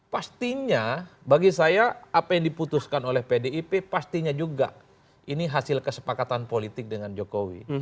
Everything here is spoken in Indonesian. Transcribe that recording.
pastinya bagi saya apa yang diputuskan oleh pdip pastinya juga ini hasil kesepakatan politik dengan jokowi